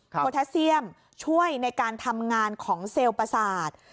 โพแทสเซียมช่วยในการทำงานของเซลล์ประสาท